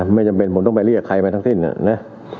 ไม่จำเป็นผมต้องไปเรียกใครไปทั้งสิ้นนะ